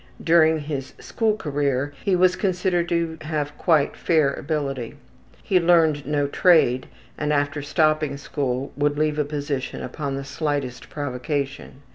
During his school career he was considered to have quite fair ability. He learned no trade, and after stopping school would leave a position upon the slightest provocation.